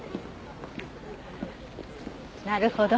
なるほど。